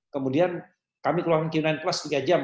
kemudian kami keluarkan q sembilan plus tiga jam